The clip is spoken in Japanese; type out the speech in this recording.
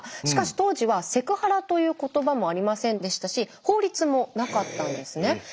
しかし当時は「セクハラ」という言葉もありませんでしたし法律もなかったんですね。